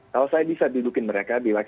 kalau saya bisa dudukin mereka